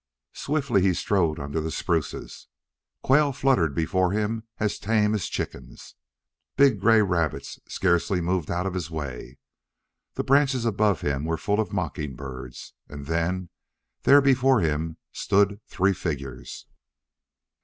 Swiftly he strode under the spruces. Quail fluttered before him as tame as chickens. Big gray rabbits scarcely moved out of his way. The branches above him were full of mockingbirds. And then there before him stood three figures.